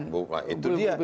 bukan itu dia